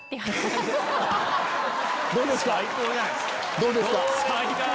どうですか？